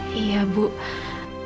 pasti kamu mau lapar kan